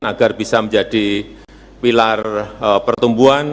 agar bisa menjadi pilar pertumbuhan